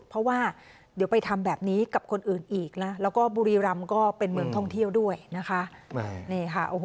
เพราะว่าเดี๋ยวไปทำแบบนี้กับคนอื่นอีกนะแล้วก็บุรีรำก็เป็นเมืองท่องเที่ยวด้วยนะคะ